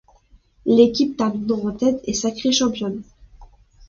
L'équipe terminant en tête est sacrée championne.